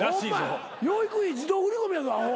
養育費自動振り込みやぞアホ。